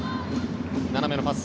斜めのパス